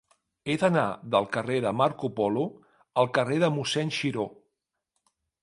He d'anar del carrer de Marco Polo al carrer de Mossèn Xiró.